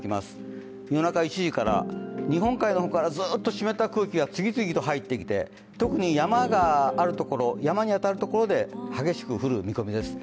夜中１時から日本海の方から、日本海の方からずっと湿った空気が次々と入ってきて特に山があるところ、山に当たるところで激しく降る見込みです。